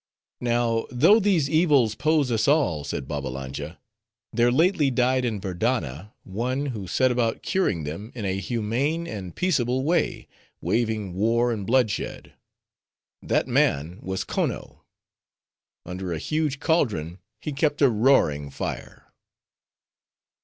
"Now, though these evils pose us all," said Babbalanja, "there lately died in Verdanna, one, who set about curing them in a humane and peaceable way, waving war and bloodshed. That man was Konno. Under a huge caldron, he kept a roaring fire."